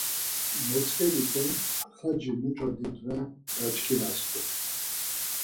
Mot̆zǩediǩo xaci muç̌o didven gaçkinast̆un.